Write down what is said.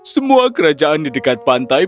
semua kerajaan di dekat pantai